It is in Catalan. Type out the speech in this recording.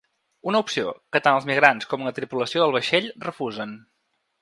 Una opció que tant els migrants com la tripulació del vaixell refusen.